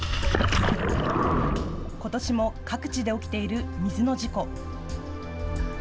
ことしも各地で起きている水の事故。